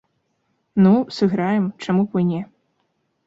Ну, сыграем, чаму б і не.